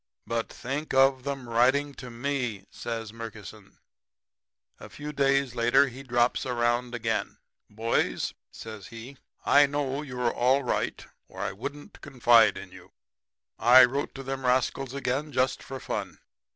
"'But think of 'em writing to ME!' says Murkison. "A few days later he drops around again. "'Boys,' says he, 'I know you are all right or I wouldn't confide in you. I wrote to them rascals again just for fun.